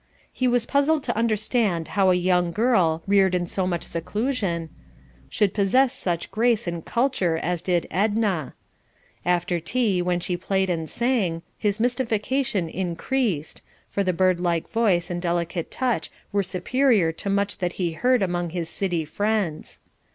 He was puzzled to understand how a young girl, reared in so much seclusion, should possess such grace and culture as did Edna. After tea, when she played and sang, his mystification increased, for the bird like voice and delicate touch were superior to much that he heard among his city friends.